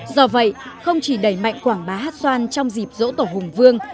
do vậy không chỉ đẩy mạnh quảng bá hát xoan trong dịp dỗ tổ hùng vương